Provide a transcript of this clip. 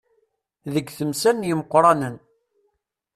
Deg temsal n yimeqqranen.